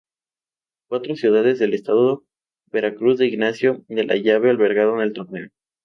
Cuatro ciudades del estado Veracruz de Ignacio de la Llave albergaron el torneo.